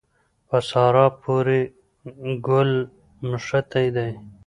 په سارا پورې ګل مښتی دی.